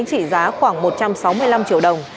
trị giá khoảng một trăm sáu mươi năm triệu đồng